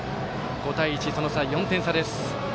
５対１、その差は４点差です。